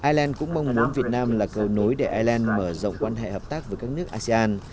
ireland cũng mong muốn việt nam là cầu nối để ireland mở rộng quan hệ hợp tác với các nước asean